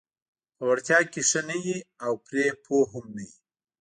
په وړتیا کې ښه نه وي او پرې پوه هم نه وي: